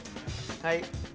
はい。